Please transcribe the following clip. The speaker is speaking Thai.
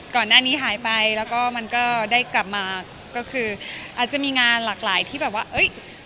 ก่อนหน้านี้หายไปแล้วก็มันก็ได้กลับมาก็คืออาจจะมีงานหลากหลายที่แบบว่าเอ้ย